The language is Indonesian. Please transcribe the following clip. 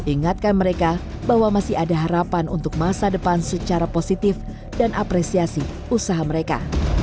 ingatkan mereka bahwa masih ada harapan untuk masa depan secara positif dan apresiasi usaha mereka